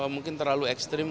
mungkin terlalu ekstrim